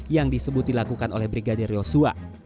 yang disebut dilakukan oleh brigadir yosua